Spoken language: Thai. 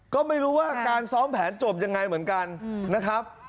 ก็ไม่รู้ว่าการซ้อมแผนจบยังไงเหมือนกันนะครับ